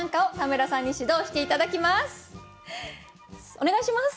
お願いします。